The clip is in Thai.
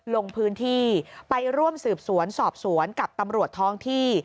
ลงพื้นที่ไปร่วมสืบสวนสอบสวนกับตำรวจท้องที่